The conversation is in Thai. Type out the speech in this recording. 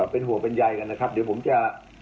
เป็นห่วงเป็นใยกันนะครับเดี๋ยวผมจะ